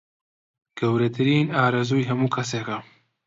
گەورەترین ئارەزووی هەموو کەسێکە